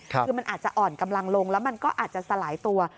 คือมันอาจจะอ่อนกำลังลงแล้วมันก็อาจจะสลายตัว